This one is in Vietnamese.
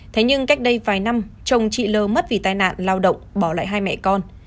thế nhưng cách đây vài năm chồng chị lơ mất vì tai nạn lao động bỏ lại hai mẹ con